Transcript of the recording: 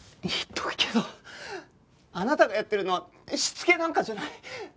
言っとくけどあなたがやってるのはしつけなんかじゃない。